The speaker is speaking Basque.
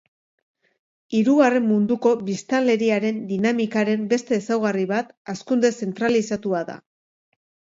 Hirugarren munduko biztanleriaren dinamikaren beste ezaugarri bat hazkunde zentralizatua da.